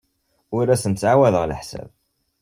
Ur asen-ttɛawadeɣ leḥsab.